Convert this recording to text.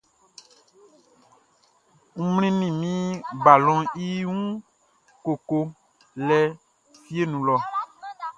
N mlinnin min balɔnʼn i wun koko lɛ fieʼn nun lɔ.